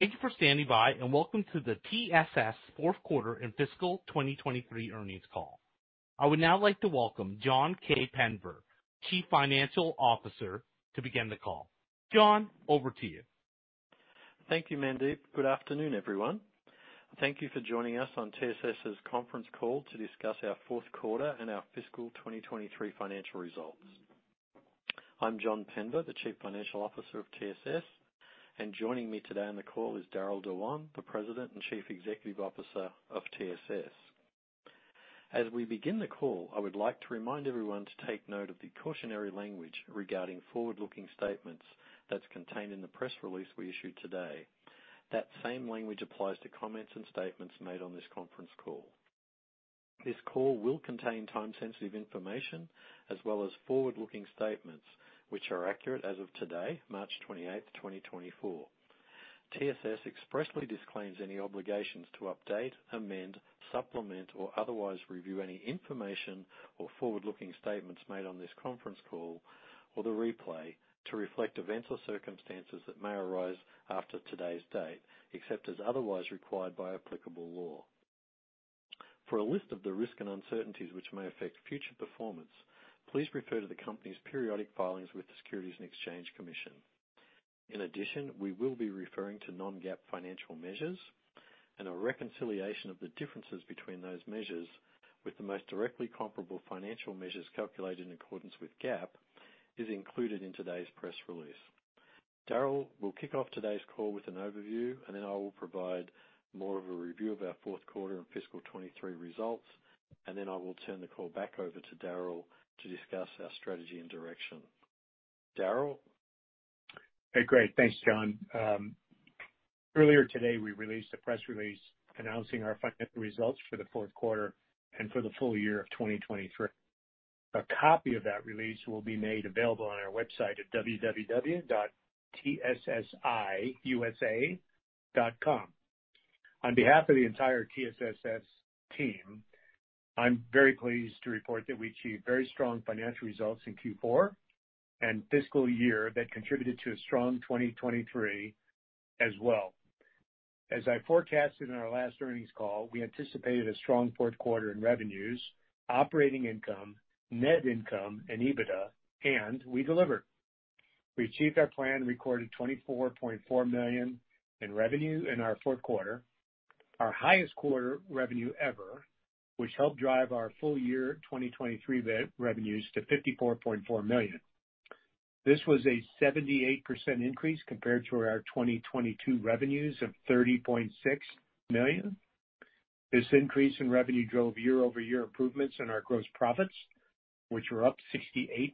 Thank you for standing by, and welcome to the TSS fourth quarter and fiscal 2023 earnings call. I would now like to welcome John Penver, Chief Financial Officer, to begin the call. John, over to you. Thank you, Mandeep. Good afternoon, everyone. Thank you for joining us on TSS's conference call to discuss our fourth quarter and our fiscal 2023 financial results. I'm John Penver, the Chief Financial Officer of TSS, and joining me today on the call is Darryll Dewan, the President and Chief Executive Officer of TSS. As we begin the call, I would like to remind everyone to take note of the cautionary language regarding forward-looking statements that's contained in the press release we issued today. That same language applies to comments and statements made on this conference call. This call will contain time-sensitive information as well as forward-looking statements, which are accurate as of today, March 28, 2024. TSS expressly disclaims any obligations to update, amend, supplement, or otherwise review any information or forward-looking statements made on this conference call or the replay to reflect events or circumstances that may arise after today's date, except as otherwise required by applicable law. For a list of the risks and uncertainties which may affect future performance, please refer to the company's periodic filings with the Securities and Exchange Commission. In addition, we will be referring to non-GAAP financial measures, and a reconciliation of the differences between those measures with the most directly comparable financial measures calculated in accordance with GAAP, is included in today's press release. Darryll will kick off today's call with an overview, and then I will provide more of a review of our fourth quarter and fiscal 2023 results, and then I will turn the call back over to Darryll to discuss our strategy and direction. Darryll? Hey, great. Thanks, John. Earlier today, we released a press release announcing our financial results for the fourth quarter and for the full year of 2023. A copy of that release will be made available on our website at www.tssiusa.com. On behalf of the entire TSS team, I'm very pleased to report that we achieved very strong financial results in Q4 and fiscal year that contributed to a strong 2023 as well. As I forecasted in our last earnings call, we anticipated a strong fourth quarter in revenues, operating income, net income, and EBITDA, and we delivered. We achieved our plan and recorded $24.4 million in revenue in our fourth quarter, our highest quarter revenue ever, which helped drive our full year 2023 revenues to $54.4 million. This was a 78% increase compared to our 2022 revenues of $30.6 million. This increase in revenue drove year-over-year improvements in our gross profits, which were up 68%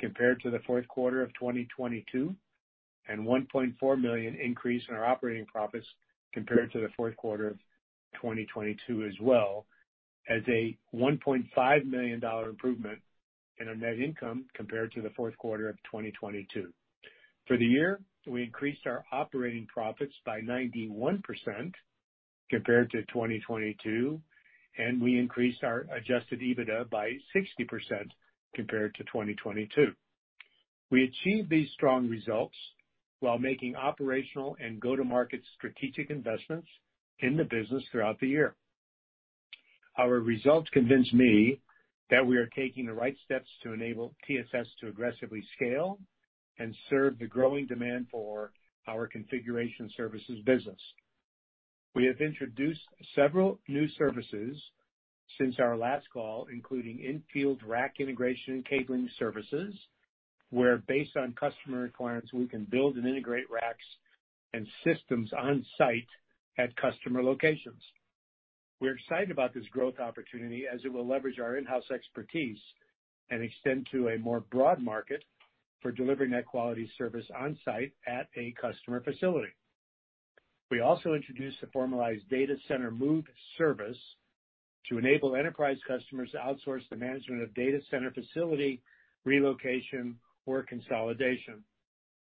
compared to the fourth quarter of 2022, and one point four million increase in our operating profits compared to the fourth quarter of 2022, as well as a $1.5 million improvement in our net income compared to the fourth quarter of 2022. For the year, we increased our operating profits by 91% compared to 2022, and we increased our adjusted EBITDA by 60% compared to 2022. We achieved these strong results while making operational and go-to-market strategic investments in the business throughout the year. Our results convince me that we are taking the right steps to enable TSS to aggressively scale and serve the growing demand for our configuration services business. We have introduced several new services since our last call, including in-field rack integration and cabling services, where, based on customer requirements, we can build and integrate racks and systems on-site at customer locations. We're excited about this growth opportunity as it will leverage our in-house expertise and extend to a more broad market for delivering that quality service on-site at a customer facility. We also introduced a formalized data center move service to enable enterprise customers to outsource the management of data center facility, relocation, or consolidation.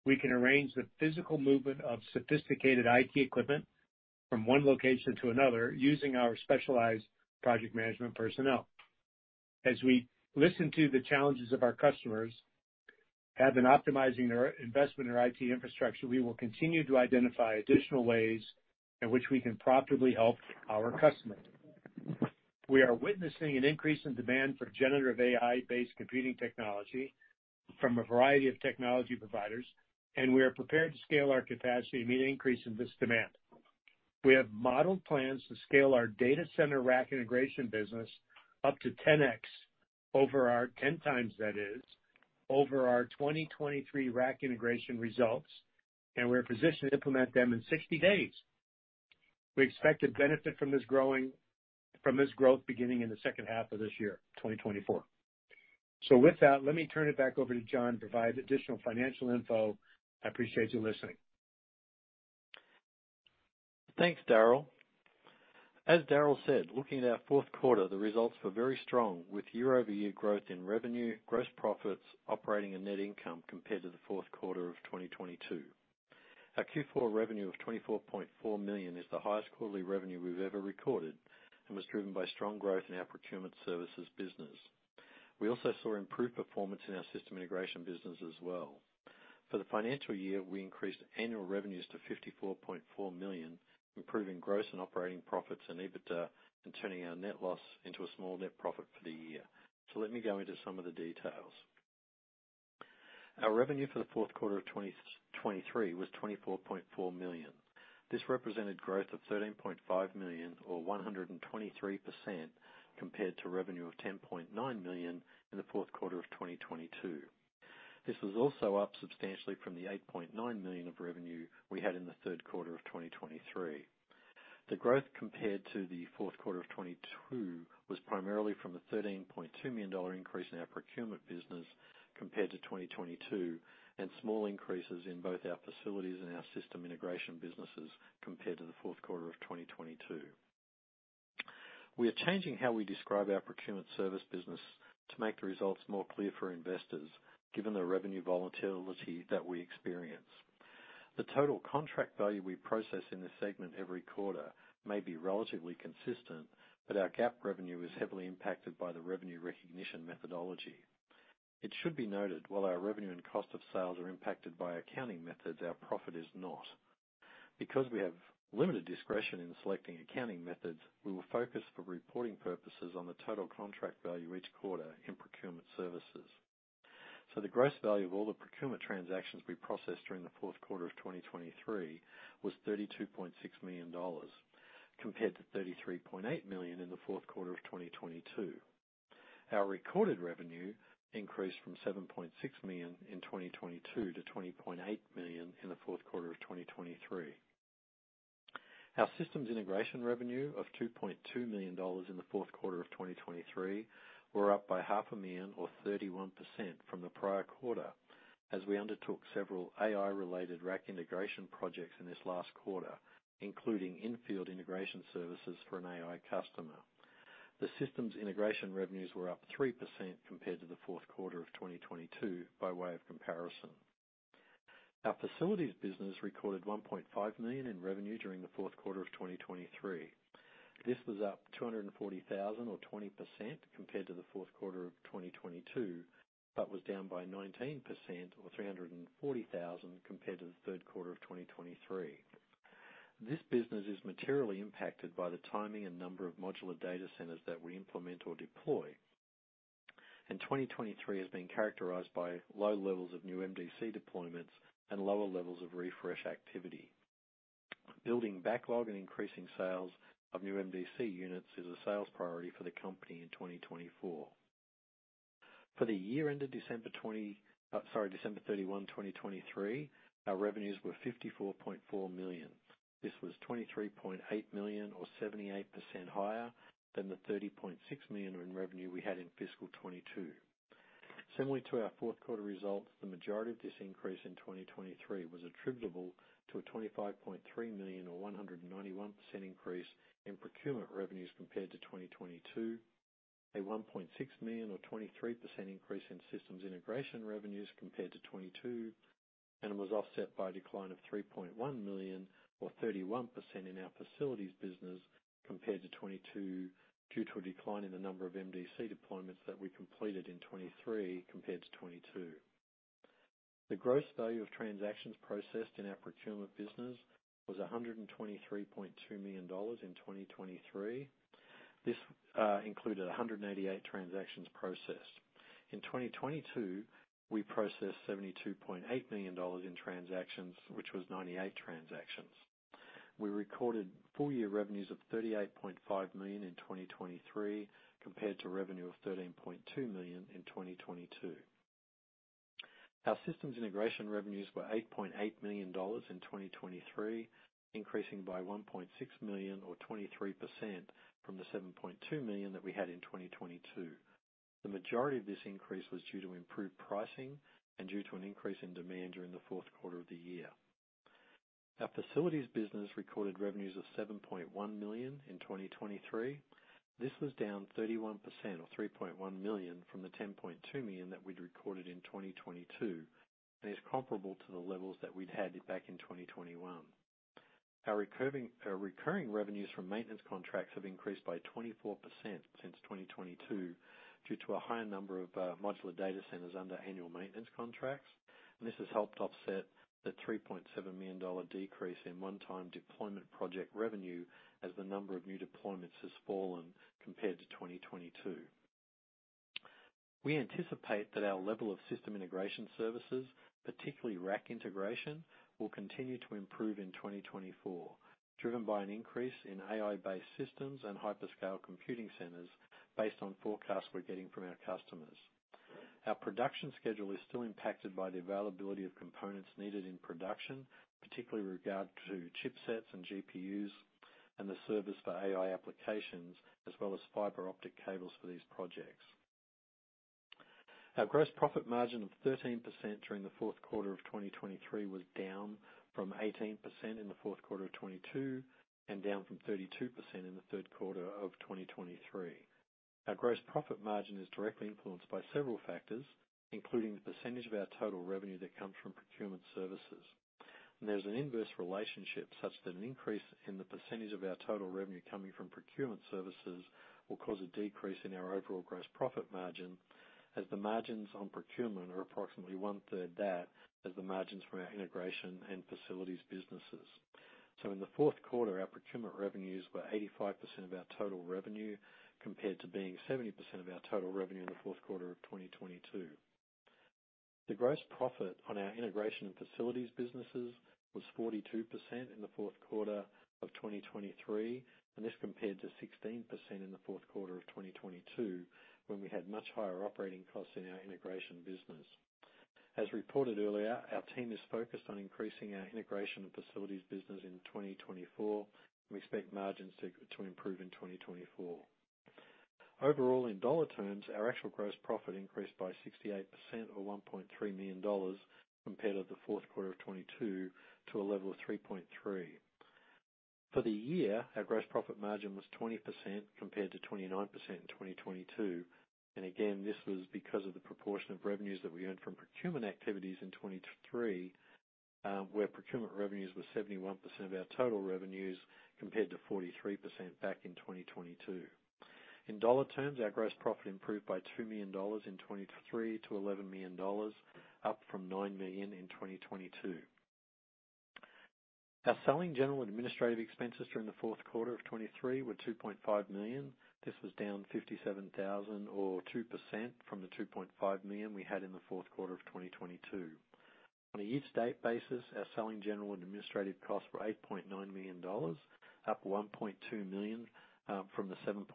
We can arrange the physical movement of sophisticated IT equipment from one location to another using our specialized project management personnel. As we listen to the challenges of our customers have been optimizing their investment in our IT infrastructure, we will continue to identify additional ways in which we can profitably help our customers. We are witnessing an increase in demand for generative AI-based computing technology from a variety of technology providers, and we are prepared to scale our capacity to meet an increase in this demand. We have modeled plans to scale our data center rack integration business up to 10x (ten times, that is) over our 2023 rack integration results, and we're positioned to implement them in 60 days. We expect to benefit from this growth beginning in the second half of this year, 2024. So with that, let me turn it back over to John to provide additional financial info. I appreciate you listening. Thanks, Darryll. As Darryll said, looking at our fourth quarter, the results were very strong, with year-over-year growth in revenue, gross profits, operating and net income compared to the fourth quarter of 2022. Our Q4 revenue of $24.4 million is the highest quarterly revenue we've ever recorded and was driven by strong growth in our procurement services business... We also saw improved performance in our system integration business as well. For the financial year, we increased annual revenues to $54.4 million, improving gross and operating profits and EBITDA, and turning our net loss into a small net profit for the year. Let me go into some of the details. Our revenue for the fourth quarter of 2023 was $24.4 million. This represented growth of $13.5 million, or 123%, compared to revenue of $10.9 million in the fourth quarter of 2022. This was also up substantially from the $8.9 million of revenue we had in the third quarter of 2023. The growth compared to the fourth quarter of 2022 was primarily from a $13.2 million increase in our procurement business compared to 2022, and small increases in both our facilities and our system integration businesses compared to the fourth quarter of 2022. We are changing how we describe our procurement service business to make the results more clear for investors, given the revenue volatility that we experience. The total contract value we process in this segment every quarter may be relatively consistent, but our GAAP revenue is heavily impacted by the revenue recognition methodology. It should be noted, while our revenue and cost of sales are impacted by accounting methods, our profit is not. Because we have limited discretion in selecting accounting methods, we will focus for reporting purposes on the total contract value each quarter in procurement services. So the gross value of all the procurement transactions we processed during the fourth quarter of 2023 was $32.6 million, compared to $33.8 million in the fourth quarter of 2022. Our recorded revenue increased from $7.6 million in 2022 to $20.8 million in the fourth quarter of 2023. Our systems integration revenue of $2.2 million in the fourth quarter of 2023 was up by $500,000, or 31%, from the prior quarter, as we undertook several AI-related rack integration projects in this last quarter, including in-field integration services for an AI customer. The systems integration revenues were up 3% compared to the fourth quarter of 2022 by way of comparison. Our facilities business recorded $1.5 million in revenue during the fourth quarter of 2023. This was up $240,000, or 20%, compared to the fourth quarter of 2022, but was down by 19%, or $340,000, compared to the third quarter of 2023. This business is materially impacted by the timing and number of modular data centers that we implement or deploy. 2023 has been characterized by low levels of new MDC deployments and lower levels of refresh activity. Building backlog and increasing sales of new MDC units is a sales priority for the company in 2024. For the year ended December 31, 2023, our revenues were $54.4 million. This was $23.8 million, or 78%, higher than the $30.6 million in revenue we had in fiscal 2022. Similarly to our fourth quarter results, the majority of this increase in 2023 was attributable to a $25.3 million, or 191%, increase in procurement revenues compared to 2022, a $1.6 million, or 23%, increase in systems integration revenues compared to 2022, and was offset by a decline of $3.1 million, or 31%, in our facilities business compared to 2022, due to a decline in the number of MDC deployments that we completed in 2023 compared to 2022. The gross value of transactions processed in our procurement business was $123.2 million in 2023. This included 188 transactions processed. In 2022, we processed $72.8 million in transactions, which was 98 transactions. We recorded full year revenues of $38.5 million in 2023, compared to revenue of $13.2 million in 2022. Our systems integration revenues were $8.8 million in 2023, increasing by $1.6 million, or 23%, from the $7.2 million that we had in 2022. The majority of this increase was due to improved pricing and due to an increase in demand during the fourth quarter of the year. Our facilities business recorded revenues of $7.1 million in 2023. This was down 31%, or $3.1 million, from the $10.2 million that we'd recorded in 2022, and is comparable to the levels that we'd had back in 2021. Our recurring, our recurring revenues from maintenance contracts have increased by 24% since 2022, due to a higher number of modular data centers under annual maintenance contracts. This has helped offset the $3.7 million decrease in one-time deployment project revenue, as the number of new deployments has fallen compared to 2022. We anticipate that our level of system integration services, particularly rack integration, will continue to improve in 2024, driven by an increase in AI-based systems and hyperscale computing centers based on forecasts we're getting from our customers. Our production schedule is still impacted by the availability of components needed in production, particularly with regard to chipsets and GPUs and the servers for AI applications, as well as fiber optic cables for these projects. Our gross profit margin of 13% during the fourth quarter of 2023 was down from 18% in the fourth quarter of 2022, and down from 32% in the third quarter of 2023. Our gross profit margin is directly influenced by several factors, including the percentage of our total revenue that comes from procurement services, and there's an inverse relationship such that an increase in the percentage of our total revenue coming from procurement services will cause a decrease in our overall gross profit margin, as the margins on procurement are approximately 1/3 that as the margins from our integration and facilities businesses. So in the fourth quarter, our procurement revenues were 85% of our total revenue, compared to being 70% of our total revenue in the fourth quarter of 2022. The gross profit on our integration and facilities businesses was 42% in the fourth quarter of 2023, and this compared to 16% in the fourth quarter of 2022, when we had much higher operating costs in our integration business. As reported earlier, our team is focused on increasing our integration and facilities business in 2024, and we expect margins to improve in 2024. Overall, in dollar terms, our actual gross profit increased by 68% or $1.3 million compared to the fourth quarter of 2022 to a level of $3.3 million. For the year, our gross profit margin was 20%, compared to 29% in 2022. Again, this was because of the proportion of revenues that we earned from procurement activities in 2023, where procurement revenues were 71% of our total revenues, compared to 43% back in 2022. In dollar terms, our gross profit improved by $2 million in 2023 to $11 million, up from $9 million in 2022. Our selling, general, and administrative expenses during the fourth quarter of 2023 were $2.5 million. This was down $57,000 or 2% from the $2.5 million we had in the fourth quarter of 2022. On a year-to-date basis, our selling general and administrative costs were $8.9 million, up $1.2 million from the $7.7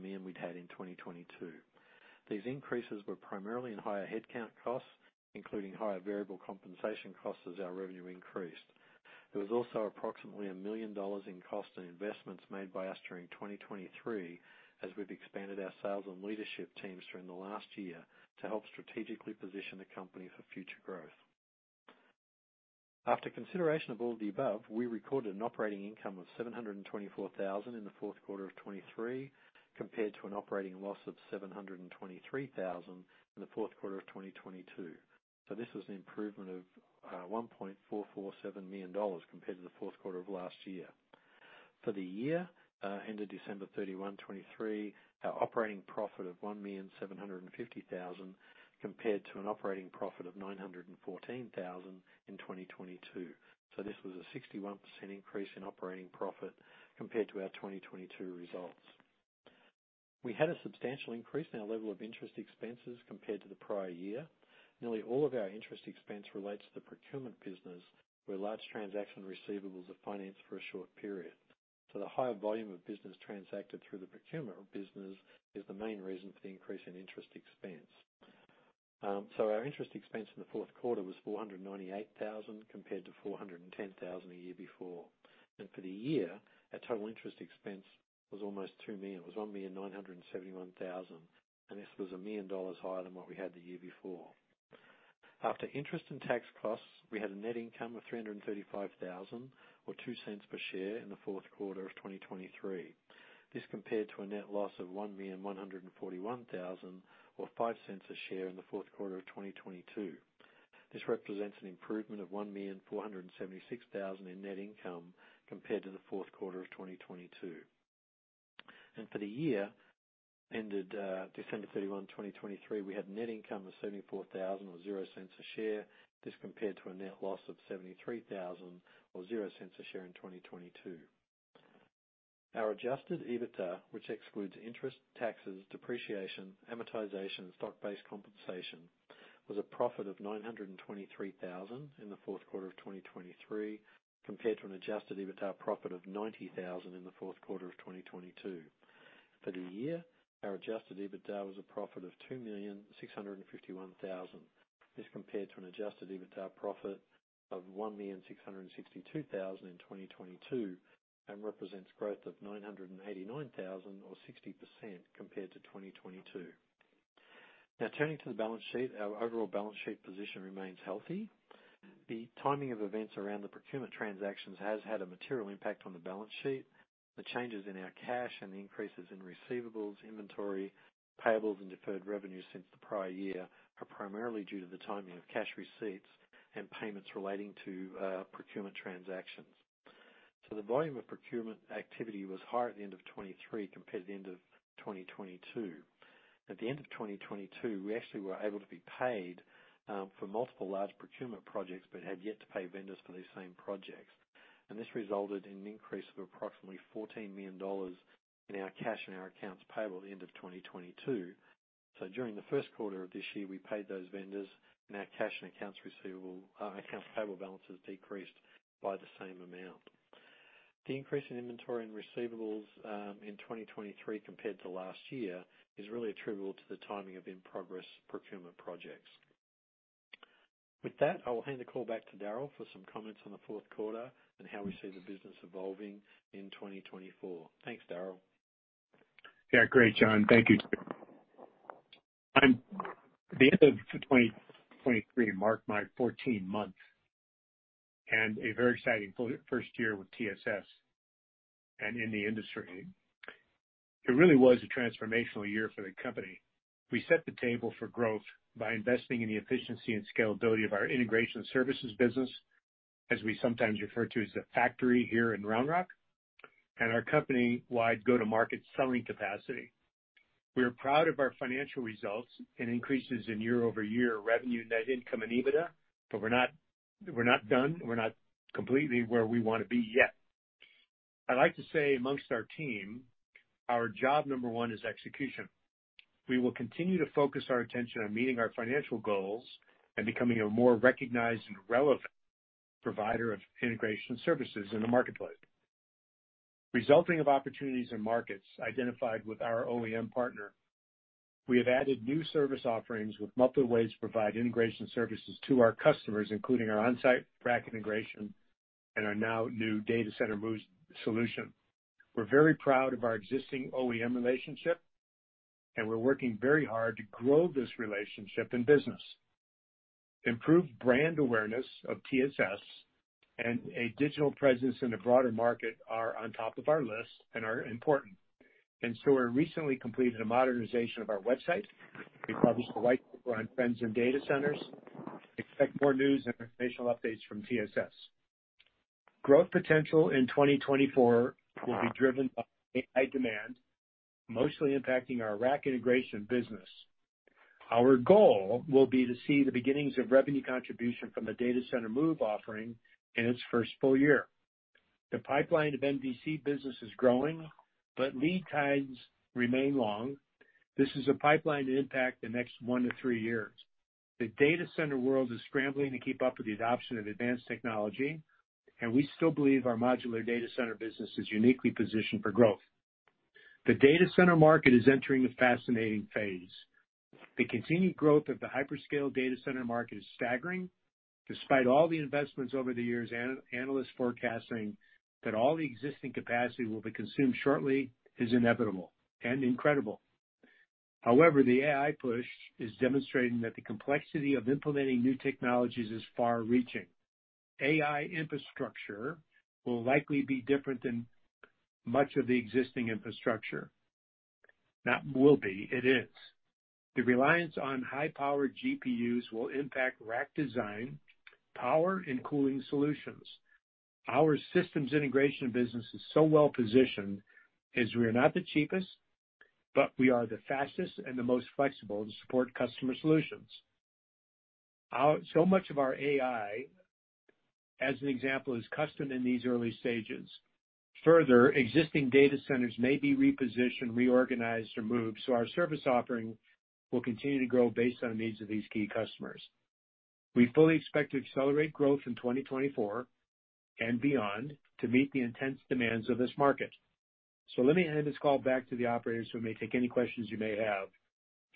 million we'd had in 2022. These increases were primarily in higher headcount costs, including higher variable compensation costs as our revenue increased. There was also approximately $1 million in cost and investments made by us during 2023, as we've expanded our sales and leadership teams during the last year to help strategically position the company for future growth. After consideration of all the above, we recorded an operating income of $724,000 in the fourth quarter of 2023, compared to an operating loss of $723,000 in the fourth quarter of 2022. So this was an improvement of 1.447 million dollars compared to the fourth quarter of last year. For the year ended December 31, 2023, our operating profit of $1,750,000, compared to an operating profit of $914,000 in 2022. This was a 61% increase in operating profit compared to our 2022 results. We had a substantial increase in our level of interest expenses compared to the prior year. Nearly all of our interest expense relates to the procurement business, where large transaction receivables are financed for a short period. The higher volume of business transacted through the procurement business is the main reason for the increase in interest expense. Our interest expense in the fourth quarter was $498,000, compared to $410,000 a year before. For the year, our total interest expense was almost $2 million. It was $1,971,000, and this was $1 million higher than what we had the year before. After interest and tax costs, we had a net income of $335,000, or $0.02 per share in the fourth quarter of 2023. This compared to a net loss of $1,141,000, or $0.05 per share in the fourth quarter of 2022. This represents an improvement of $1,476,000 in net income compared to the fourth quarter of 2022. For the year ended December 31, 2023, we had net income of $74,000 or $0.00 per share. This compared to a net loss of $73,000 or $0.00 per share in 2022. Our adjusted EBITDA, which excludes interest, taxes, depreciation, amortization, and stock-based compensation, was a profit of $923,000 in the fourth quarter of 2023, compared to an adjusted EBITDA profit of $90,000 in the fourth quarter of 2022. For the year, our adjusted EBITDA was a profit of $2,651,000. This compared to an adjusted EBITDA profit of $1,662,000 in 2022 and represents growth of $989,000 or 60% compared to 2022. Now, turning to the balance sheet, our overall balance sheet position remains healthy. The timing of events around the procurement transactions has had a material impact on the balance sheet. The changes in our cash and the increases in receivables, inventory, payables, and deferred revenue since the prior year are primarily due to the timing of cash receipts and payments relating to procurement transactions. So the volume of procurement activity was higher at the end of 2023 compared to the end of 2022. At the end of 2022, we actually were able to be paid for multiple large procurement projects but had yet to pay vendors for these same projects. And this resulted in an increase of approximately $14 million in our cash and our accounts payable at the end of 2022. So during the first quarter of this year, we paid those vendors, and our cash and accounts receivable, accounts payable balances decreased by the same amount. The increase in inventory and receivables in 2023 compared to last year is really attributable to the timing of in-progress procurement projects. With that, I will hand the call back to Darryll for some comments on the fourth quarter and how we see the business evolving in 2024. Thanks, Darryll. Yeah, great, John. Thank you. The end of 2023 marked my 14 months and a very exciting first year with TSS... and in the industry. It really was a transformational year for the company. We set the table for growth by investing in the efficiency and scalability of our integration services business, as we sometimes refer to as the factory here in Round Rock, and our company-wide go-to-market selling capacity. We are proud of our financial results and increases in year-over-year revenue, net income, and EBITDA, but we're not, we're not done. We're not completely where we wanna be yet. I'd like to say amongst our team, our job number one is execution. We will continue to focus our attention on meeting our financial goals and becoming a more recognized and relevant provider of integration services in the marketplace. Resulting from opportunities in markets identified with our OEM partner, we have added new service offerings with multiple ways to provide integration services to our customers, including our on-site rack integration and our new data center moves solution. We're very proud of our existing OEM relationship, and we're working very hard to grow this relationship and business. Improved brand awareness of TSS and a digital presence in the broader market are on top of our list and are important. So we recently completed a modernization of our website. We published a white paper on trends in data centers. Expect more news and informational updates from TSS. Growth potential in 2024 will be driven by high demand, mostly impacting our rack integration business. Our goal will be to see the beginnings of revenue contribution from the data center move offering in its first full year. The pipeline of MDC business is growing, but lead times remain long. This is a pipeline to impact the next 1-3 years. The data center world is scrambling to keep up with the adoption of advanced technology, and we still believe our modular data center business is uniquely positioned for growth. The data center market is entering a fascinating phase. The continued growth of the hyperscale data center market is staggering. Despite all the investments over the years, analysts forecasting that all the existing capacity will be consumed shortly is inevitable and incredible. However, the AI push is demonstrating that the complexity of implementing new technologies is far-reaching. AI infrastructure will likely be different than much of the existing infrastructure. Not will be, it is. The reliance on high-powered GPUs will impact rack design, power, and cooling solutions. Our systems integration business is so well positioned, as we are not the cheapest, but we are the fastest and the most flexible to support customer solutions. Our so much of our AI, as an example, is custom in these early stages. Further, existing data centers may be repositioned, reorganized, or moved, so our service offering will continue to grow based on the needs of these key customers. We fully expect to accelerate growth in 2024 and beyond to meet the intense demands of this market. So let me hand this call back to the operator, so we may take any questions you may have.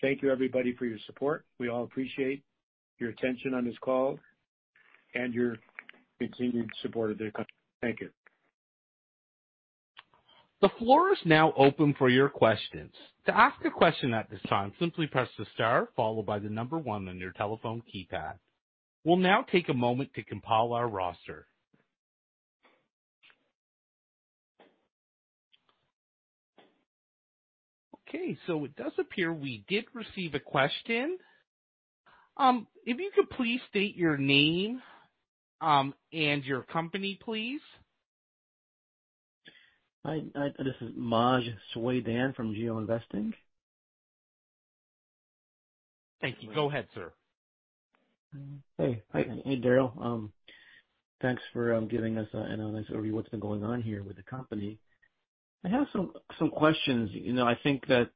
Thank you, everybody, for your support. We all appreciate your attention on this call and your continued support of the company. Thank you. The floor is now open for your questions. To ask a question at this time, simply press the star followed by the number one on your telephone keypad. We'll now take a moment to compile our roster. Okay, so it does appear we did receive a question. If you could please state your name, and your company, please. Hi, hi, this is Maj Soueidan from GeoInvesting. Thank you. Go ahead, sir. Hey. Hey, Darryll. Thanks for giving us a nice overview of what's been going on here with the company. I have some questions. You know, I think that,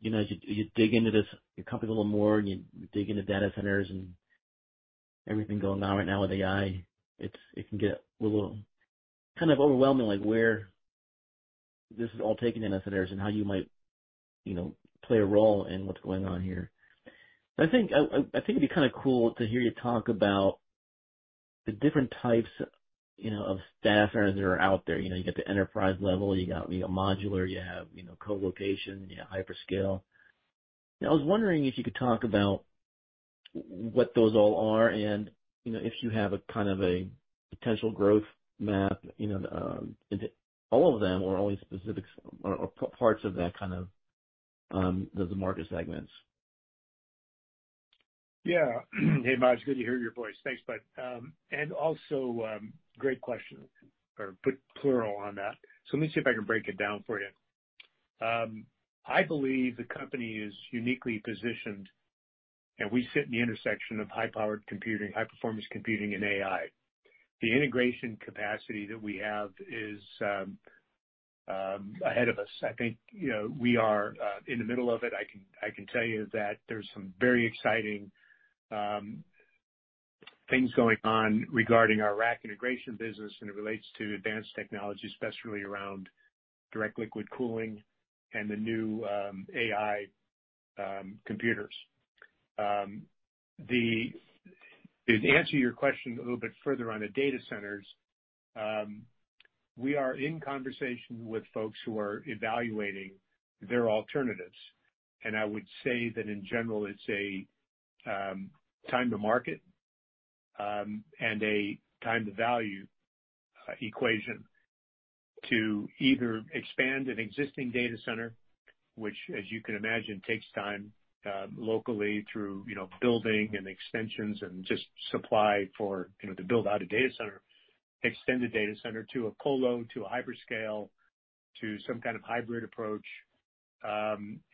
you know, as you dig into this, your company a little more, and you dig into data centers and everything going on right now with AI, it can get a little kind of overwhelming, like, where this is all taking data centers and how you might, you know, play a role in what's going on here. I think it'd be kind of cool to hear you talk about the different types, you know, of data centers that are out there. You know, you got the enterprise level, you got your modular, you have, you know, colocation, you have hyperscale. I was wondering if you could talk about what those all are and, you know, if you have a kind of a potential growth map, you know, into all of them or only specifics or, or parts of that kind of, the market segments? Yeah. Hey, Maj, good to hear your voice. Thanks, bud. And also, great question, or put plural on that. So let me see if I can break it down for you. I believe the company is uniquely positioned, and we sit in the intersection of high-powered computing, high-performance computing, and AI. The integration capacity that we have is ahead of us. I think, you know, we are in the middle of it. I can tell you that there's some very exciting things going on regarding our rack integration business, and it relates to advanced technology, especially around direct liquid cooling and the new AI computers. The... To answer your question a little bit further on the data centers, we are in conversation with folks who are evaluating their alternatives, and I would say that in general, it's a time to market and a time to value equation to either expand an existing data center, which, as you can imagine, takes time locally, through, you know, building and extensions and just supply for, you know, to build out a data center, extend a data center to a colo, to a hyperscale, to some kind of hybrid approach.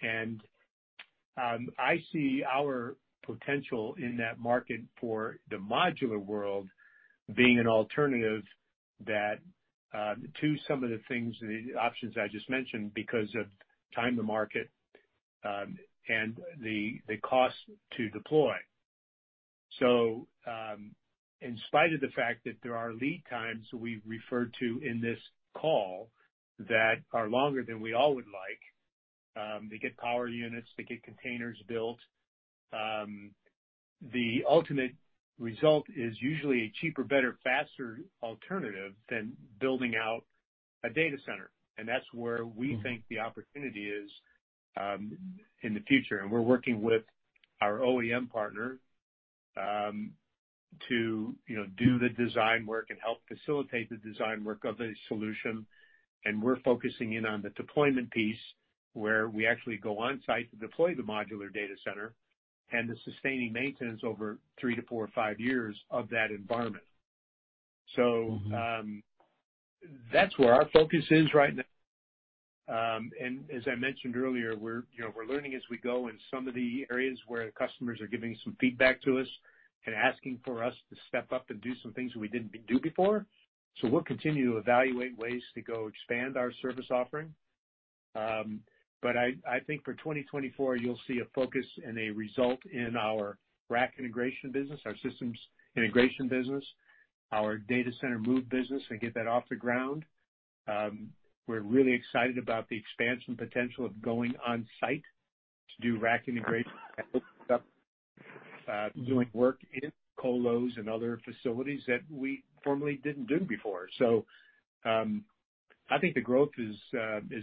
And I see our potential in that market for the modular world being an alternative that to some of the things, the options I just mentioned, because of time to market and the cost to deploy. So, in spite of the fact that there are lead times we've referred to in this call that are longer than we all would like, to get power units, to get containers built, the ultimate result is usually a cheaper, better, faster alternative than building out a data center, and that's where we think the opportunity is, in the future. And we're working with our OEM partner, to, you know, do the design work and help facilitate the design work of a solution. And we're focusing in on the deployment piece, where we actually go on site to deploy the modular data center and the sustaining maintenance over 3 to 4 or 5 years of that environment. So- Mm-hmm. That's where our focus is right now. And as I mentioned earlier, we're, you know, we're learning as we go in some of the areas where customers are giving some feedback to us and asking for us to step up and do some things we didn't do before. So we'll continue to evaluate ways to go expand our service offering. But I think for 2024, you'll see a focus and a result in our rack integration business, our systems integration business, our data center move business, and get that off the ground. We're really excited about the expansion potential of going on site to do rack integration, doing work in colos and other facilities that we formerly didn't do before. So, I think the growth is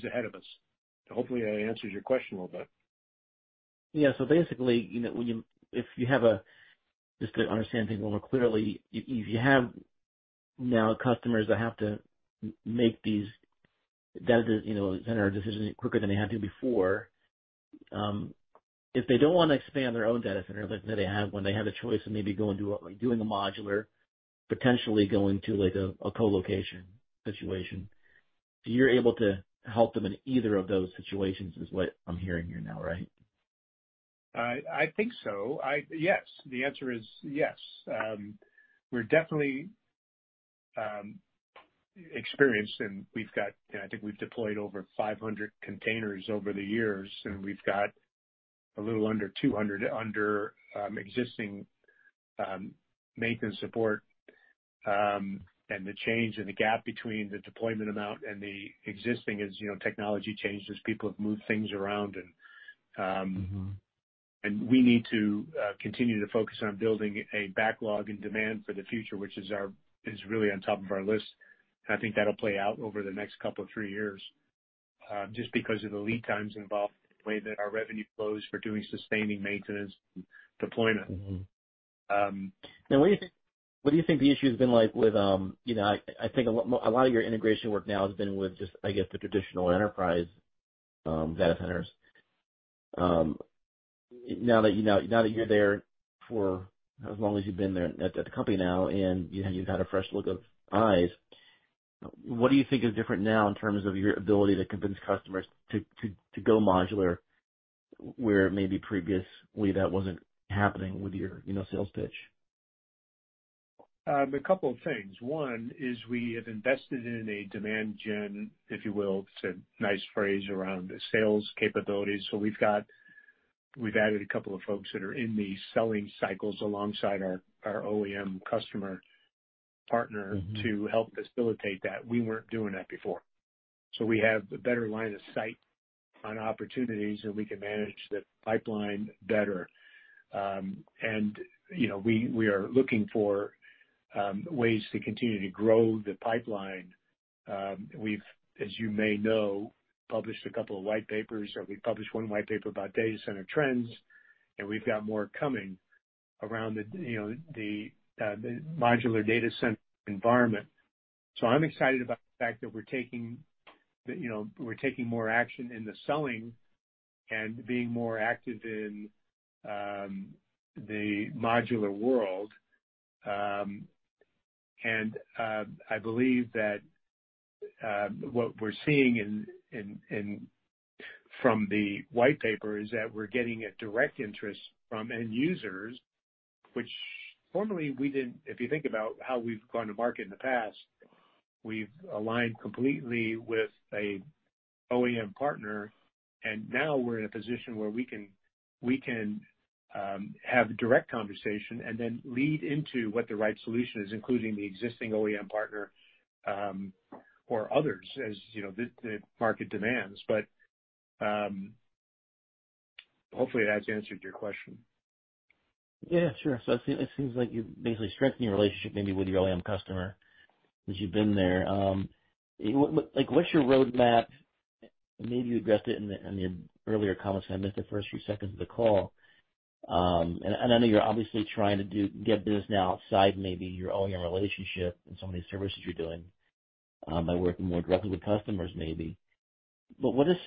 ahead of us. Hopefully, that answers your question a little bit. Yeah. So basically, you know, if you have, just to understand things a little more clearly, if you have now customers that have to make these data, you know, center decisions quicker than they had to before, if they don't want to expand their own data center, but when they have a choice of maybe going to, like, doing a modular, potentially going to, like, a colocation situation, you're able to help them in either of those situations, is what I'm hearing you now, right? Yes, the answer is yes. We're definitely experienced, and we've got, I think we've deployed over 500 containers over the years, and we've got a little under 200 under existing maintenance support. And the change in the gap between the deployment amount and the existing is, you know, technology changes. People have moved things around and, Mm-hmm. and we need to continue to focus on building a backlog and demand for the future, which is really on top of our list. And I think that'll play out over the next couple of three years, just because of the lead times involved in the way that our revenue flows for doing sustaining maintenance and deployment. Mm-hmm. Now, what do you think the issue has been like with, you know, I think a lot of your integration work now has been with just, I guess, the traditional enterprise data centers. Now that, you know, now that you're there for as long as you've been there at the company now, and you've had a fresh look of eyes, what do you think is different now in terms of your ability to convince customers to go modular, where maybe previously that wasn't happening with your sales pitch? A couple of things. One is we have invested in a demand gen, if you will. It's a nice phrase around the sales capabilities. So we've got—we've added a couple of folks that are in the selling cycles alongside our, our OEM customer partner- Mm-hmm to help facilitate that. We weren't doing that before. So we have a better line of sight on opportunities, and we can manage the pipeline better. And, you know, we are looking for ways to continue to grow the pipeline. We've, as you may know, published a couple of white papers, or we published one white paper about data center trends, and we've got more coming around the, you know, the modular data center environment. So I'm excited about the fact that we're taking, you know, we're taking more action in the selling and being more active in the modular world. And, I believe that what we're seeing from the white paper is that we're getting a direct interest from end users, which formerly we didn't. If you think about how we've gone to market in the past, we've aligned completely with an OEM partner, and now we're in a position where we can have direct conversation and then lead into what the right solution is, including the existing OEM partner, or others, as you know, the market demands. But hopefully, that's answered your question. Yeah, sure. So it seems like you've basically strengthened your relationship maybe with your OEM customer since you've been there. Like, what's your roadmap? Maybe you addressed it in the earlier comments. I missed the first few seconds of the call. And I know you're obviously trying to get business now outside maybe your OEM relationship and some of these services you're doing by working more directly with customers maybe. But what is?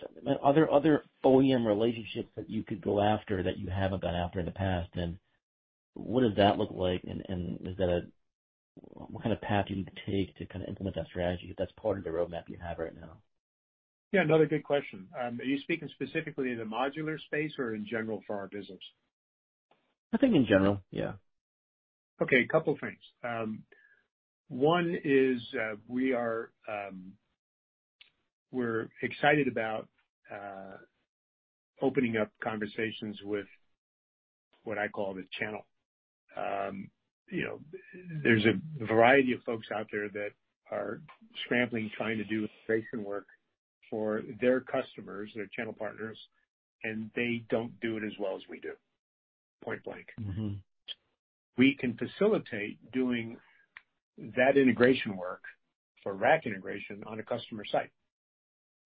Are there other OEM relationships that you could go after that you haven't gone after in the past? And what does that look like? And is that, what kind of path do you need to take to kind of implement that strategy, if that's part of the roadmap you have right now? Yeah, another good question. Are you speaking specifically in the modular space or in general for our business? I think in general, yeah. Okay. A couple things. One is, we are, we're excited about opening up conversations with what I call the channel. You know, there's a variety of folks out there that are scrambling, trying to do integration work for their customers, their channel partners, and they don't do it as well as we do, point blank. Mm-hmm. We can facilitate doing that integration work for rack integration on a customer site.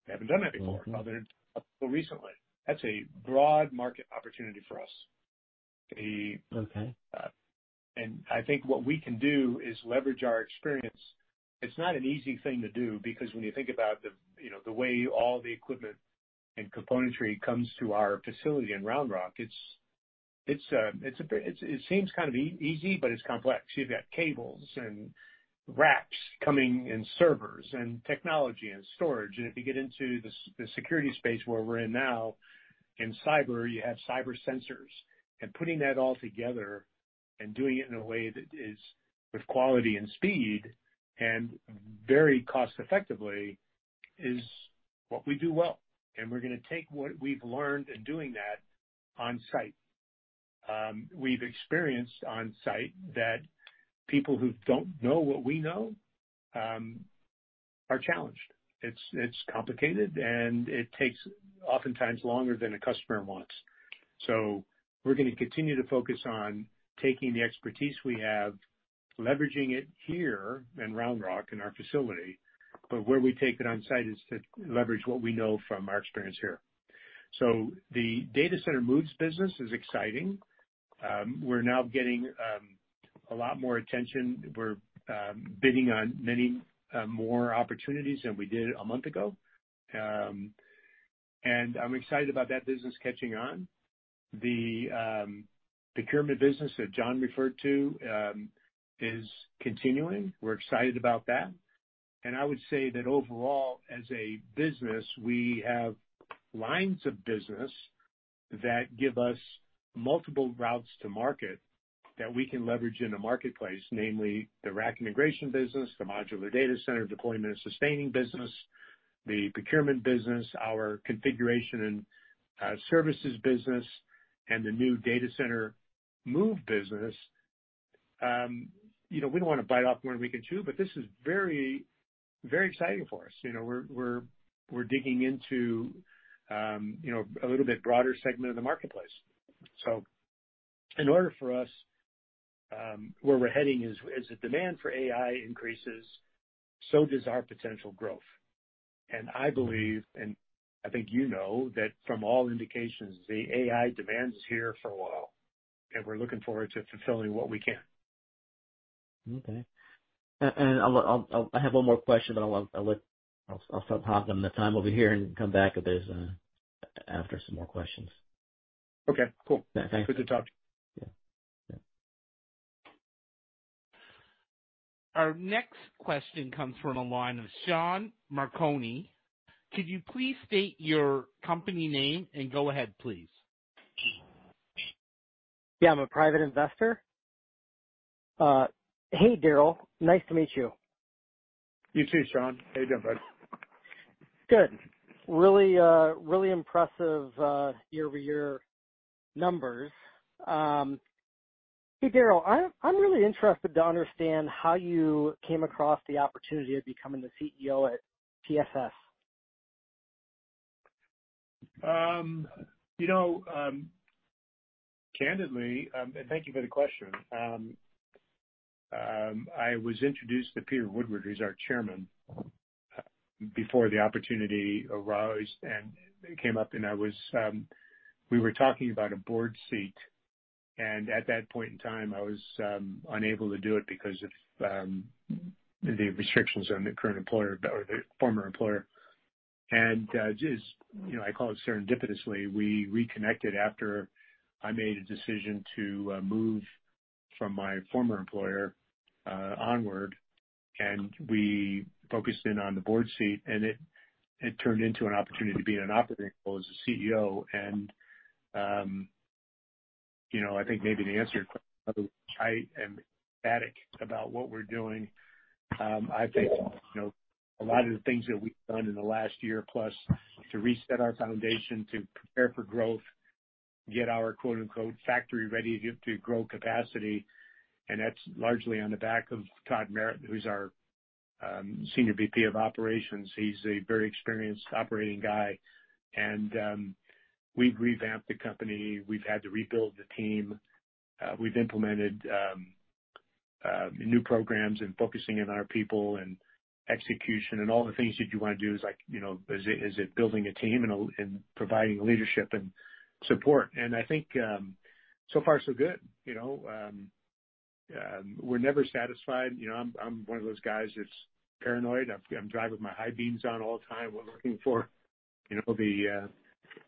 We haven't done that before, up until recently. That's a broad market opportunity for us. Okay. And I think what we can do is leverage our experience. It's not an easy thing to do, because when you think about the, you know, the way all the equipment and componentry comes to our facility in Round Rock, it seems kind of easy, but it's complex. You've got cables and racks coming, and servers and technology and storage. And if you get into the security space where we're in now, in cyber, you have cyber sensors. And putting that all together and doing it in a way that is with quality and speed and very cost effectively is what we do well. And we're gonna take what we've learned in doing that on site. We've experienced on site that people who don't know what we know are challenged. It's, it's complicated, and it takes oftentimes longer than a customer wants. So we're gonna continue to focus on taking the expertise we have, leveraging it here in Round Rock, in our facility, but where we take it on site is to leverage what we know from our experience here. So the data center moves business is exciting. We're now getting a lot more attention. We're bidding on many more opportunities than we did a month ago. And I'm excited about that business catching on. The procurement business that John referred to is continuing. We're excited about that. And I would say that overall, as a business, we have lines of business that give us multiple routes to market that we can leverage in the marketplace, namely the rack integration business, the modular data center deployment and sustaining business, the procurement business, our configuration and services business, and the new data center move business. You know, we don't want to bite off more than we can chew, but this is very, very exciting for us. You know, we're digging into a little bit broader segment of the marketplace. So in order for us, where we're heading, as the demand for AI increases, so does our potential growth. And I believe, and I think you know that from all indications, the AI demand is here for a while, and we're looking forward to fulfilling what we can. Okay. And I'll have one more question, but I'll let... I'll pause on the time over here and come back if there's after some more questions. Okay, cool. Yeah. Thank you. Good to talk to you. Yeah. Yeah. Our next question comes from the line of Sean Marconi. Could you please state your company name and go ahead, please? Yeah, I'm a private investor. Hey, Darryll. Nice to meet you. You too, Sean. How you doing, bud? Good. Really, really impressive, year-over-year numbers. Hey, Darryll, I'm, I'm really interested to understand how you came across the opportunity of becoming the CEO at TSS. You know, candidly, and thank you for the question. I was introduced to Peter Woodward, who's our chairman, before the opportunity arose and came up, and we were talking about a board seat, and at that point in time, I was unable to do it because of the restrictions on the current employer or the former employer. And, just, you know, I call it serendipitously, we reconnected after I made a decision to move from my former employer onward, and we focused in on the board seat, and it turned into an opportunity to be in an operating role as a CEO. And, you know, I think maybe the answer to your question, I am ecstatic about what we're doing. I think, you know, a lot of the things that we've done in the last year, plus to reset our foundation, to prepare for growth, get our quote-unquote, "factory ready to grow capacity," and that's largely on the back of Todd Marrott, who's our Senior VP of Operations. He's a very experienced operating guy. And we've revamped the company. We've had to rebuild the team. We've implemented new programs and focusing on our people and execution and all the things that you wanna do is, like, you know, is it, is it building a team and and providing leadership and support? And I think, so far so good. You know, we're never satisfied. You know, I'm, I'm one of those guys that's paranoid. I'm, I'm driving with my high beams on all the time. We're looking for, you know, the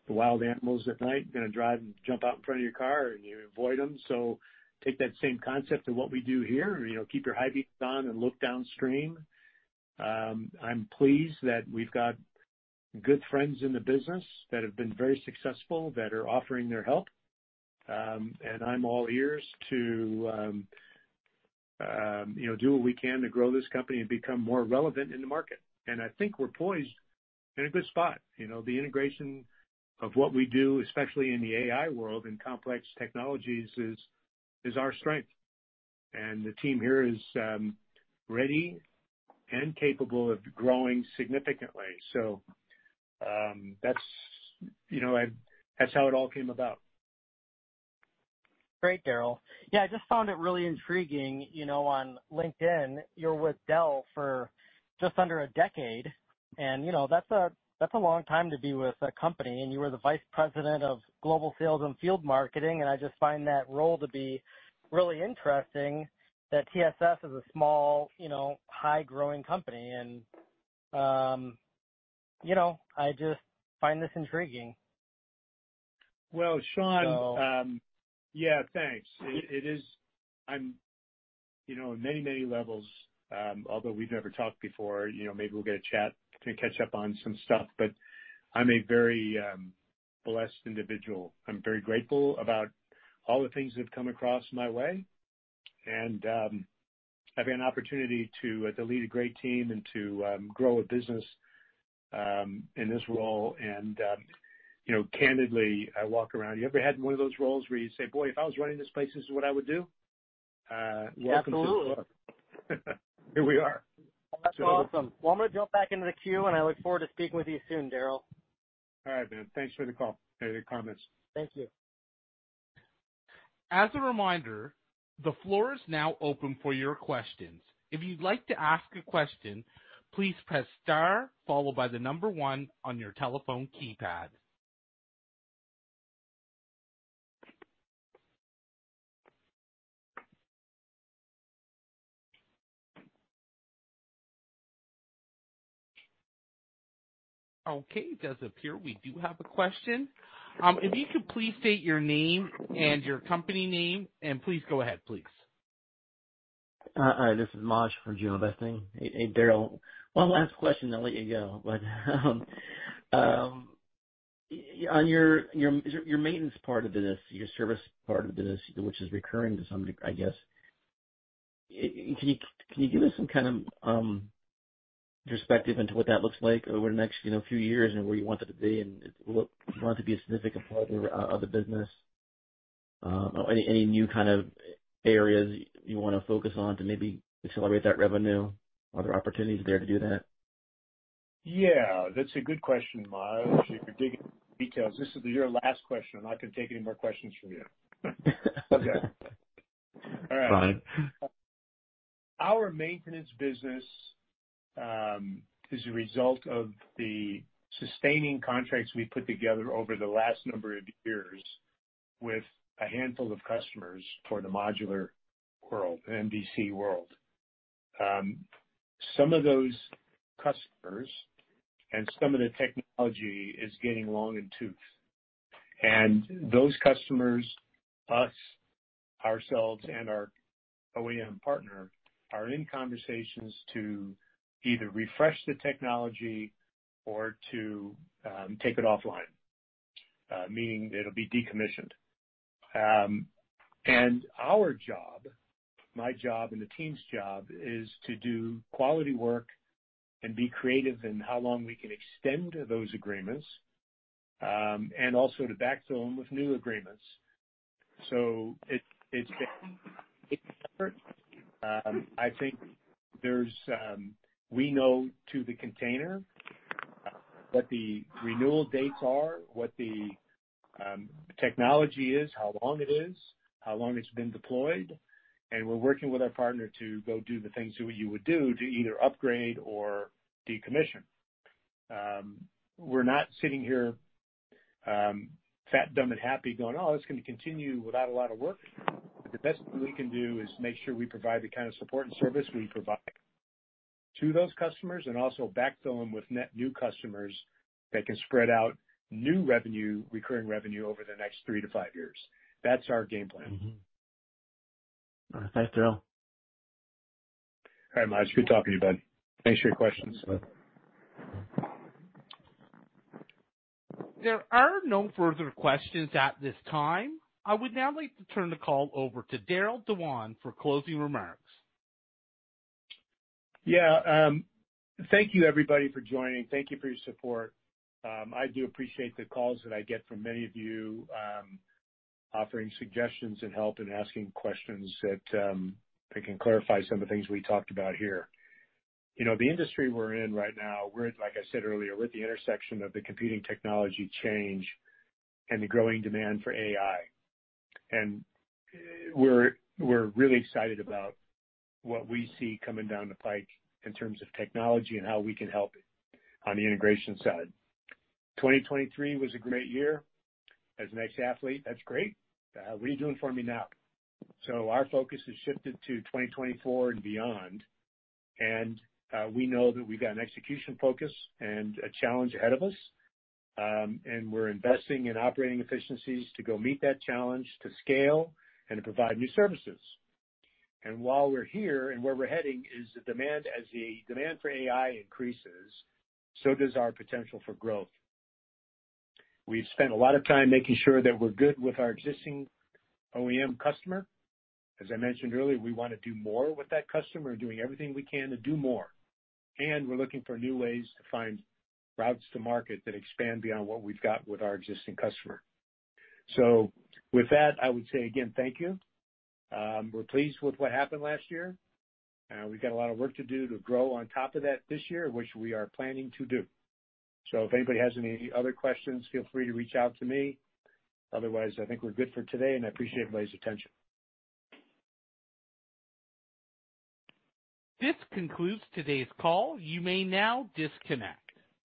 wild animals at night, gonna drive and jump out in front of your car, and you avoid them. So take that same concept to what we do here. You know, keep your high beams on and look downstream. I'm pleased that we've got good friends in the business that have been very successful, that are offering their help. And I'm all ears to, you know, do what we can to grow this company and become more relevant in the market. And I think we're poised in a good spot. You know, the integration of what we do, especially in the AI world, in complex technologies is our strength. And the team here is ready and capable of growing significantly. So, that's, you know, that's how it all came about. Great, Darryll. Yeah, I just found it really intriguing. You know, on LinkedIn, you're with Dell for just under a decade, and, you know, that's a, that's a long time to be with a company. And you were the vice president of global sales and field marketing, and I just find that role to be really interesting, that TSS is a small, you know, high growing company and, you know, I just find this intriguing. Well, Sean- So- Yeah, thanks. It is... I'm you know on many many levels although we've never talked before you know maybe we'll get a chat to catch up on some stuff but I'm a very blessed individual. I'm very grateful about all the things that have come across my way and having an opportunity to to lead a great team and to grow a business in this role. And you know candidly I walk around... You ever had one of those roles where you say: "Boy, if I was running this place, this is what I would do?" Welcome to the club. Absolutely. Here we are. That's awesome. Well, I'm gonna jump back into the queue, and I look forward to speaking with you soon, Darryll. All right, man. Thanks for the call and your comments. Thank you. As a reminder, the floor is now open for your questions. If you'd like to ask a question, please press star followed by the number one on your telephone keypad. Okay, it does appear we do have a question. If you could please state your name and your company name, and please go ahead, please. This is Maj from GeoInvesting. Hey, Darryll, one last question, then I'll let you go. But on your maintenance part of the business, your service part of the business, which is recurring to some degree, I guess, can you give us some kind of perspective into what that looks like over the next, you know, few years and where you want it to be and what you want to be a significant part of the business? Any new kind of areas you wanna focus on to maybe accelerate that revenue? Are there opportunities there to do that? Yeah, that's a good question, Maj. You're digging into details. This is your last question. I'm not going to take any more questions from you. Okay. All right. Fine. Our maintenance business is a result of the sustaining contracts we put together over the last number of years with a handful of customers for the modular world, MDC world. Some of those customers and some of the technology is getting long in the tooth, and those customers, us, ourselves, and our OEM partner, are in conversations to either refresh the technology or to take it offline, meaning it'll be decommissioned. And our job, my job, and the team's job is to do quality work and be creative in how long we can extend those agreements, and also to backfill them with new agreements. So it's different. I think there's, we know to the container, what the renewal dates are, what the technology is, how long it is, how long it's been deployed, and we're working with our partner to go do the things you would do to either upgrade or decommission. We're not sitting here, fat, dumb, and happy, going: "Oh, this is going to continue without a lot of work." The best we can do is make sure we provide the kind of support and service we provide to those customers, and also backfill them with net new customers that can spread out new revenue, recurring revenue, over the next three to five years. That's our game plan. Mm-hmm. All right. Thanks, Darryll. All right, Maj. Good talking to you, bud. Thanks for your questions. There are no further questions at this time. I would now like to turn the call over to Darryll Dewan for closing remarks. Yeah, thank you, everybody, for joining. Thank you for your support. I do appreciate the calls that I get from many of you, offering suggestions and help and asking questions that that can clarify some of the things we talked about here. You know, the industry we're in right now, we're, like I said earlier, we're at the intersection of the competing technology change and the growing demand for AI. And we're, we're really excited about what we see coming down the pike in terms of technology and how we can help on the integration side. 2023 was a great year. As an ex-athlete, that's great. What are you doing for me now? So our focus has shifted to 2024 and beyond, and we know that we've got an execution focus and a challenge ahead of us. And we're investing in operating efficiencies to go meet that challenge, to scale and to provide new services. While we're here, and where we're heading is the demand, as the demand for AI increases, so does our potential for growth. We've spent a lot of time making sure that we're good with our existing OEM customer. As I mentioned earlier, we want to do more with that customer and doing everything we can to do more. We're looking for new ways to find routes to market that expand beyond what we've got with our existing customer. With that, I would say again, thank you. We're pleased with what happened last year. We've got a lot of work to do to grow on top of that this year, which we are planning to do. So if anybody has any other questions, feel free to reach out to me. Otherwise, I think we're good for today, and I appreciate everybody's attention. This concludes today's call. You may now disconnect.